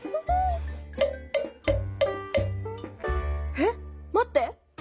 え待って！